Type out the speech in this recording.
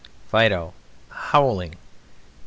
FIDO (howling).